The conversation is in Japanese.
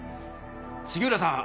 杉浦さん。